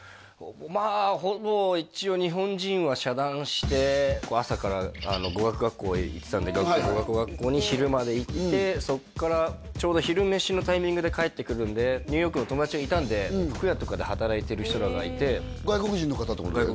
まあほぼ一応朝から語学学校へ行ってたんで語学学校に昼まで行ってそっからちょうど昼飯のタイミングで帰ってくるんでニューヨークの友達がいたんで服屋とかで働いてる人らがいて外国人の方ってことだよね？